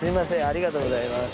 ありがとうございます。